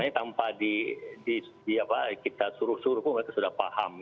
ini tanpa kita suruh suruh pun mereka sudah paham